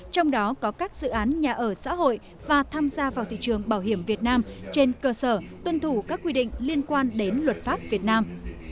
trong đó có các dự án nhà ở xã hội và tham gia vào thị trường bảo hiểm việt nam trên cơ sở tuân thủ các quy định liên quan đến luật pháp việt nam